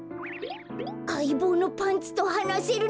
あいぼうのパンツとはなせるなんて。